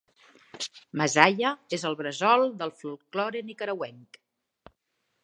Masaya és el bressol del folklore nicaragüenc.